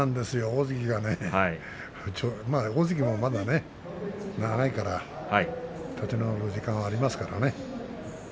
大関がねまだ大関も長いから立て直る時間がありますから。